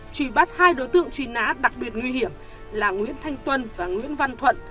truy bắt hai đối tượng truy nã đặc biệt nguy hiểm là nguyễn thanh tuân và nguyễn văn thuận